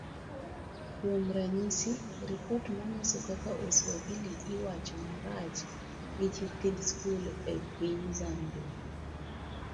Kuom ranyisi, ripot manyiso kaka oswahili iwacho marach gi nyithind skul e piny Zambia